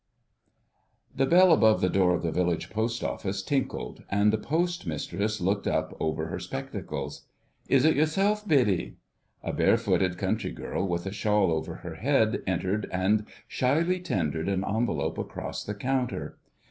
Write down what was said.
"* The bell above the door of the village post office tinkled and the Postmistress looked up over her spectacles. "Is it yourself, Biddy?" A barefooted country girl with a shawl over her head entered and shyly tendered an envelope across the counter.